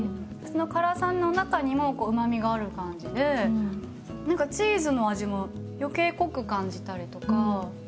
その辛さの中にもうまみがある感じで何かチーズの味も余計濃く感じたりとか。